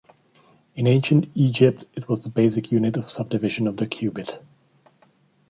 In Ancient Egypt it was the basic unit of subdivision of the cubit.